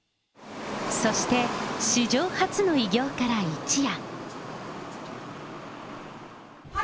そして、史上初の偉業から一夜。